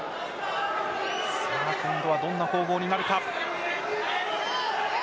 今度はどんな攻防になるか。